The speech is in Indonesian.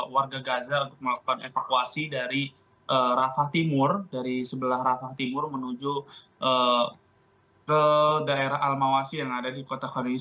warga gaza untuk melakukan evakuasi dari rafah timur dari sebelah rafah timur menuju ke daerah almawasi yang ada di kota khonis